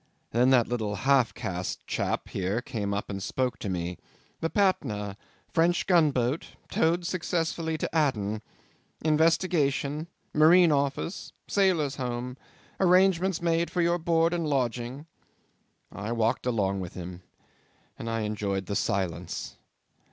Then that little half caste chap here came up and spoke to me. 'The Patna ... French gunboat ... towed successfully to Aden ... Investigation ... Marine Office ... Sailors' Home ... arrangements made for your board and lodging!' I walked along with him, and I enjoyed the silence.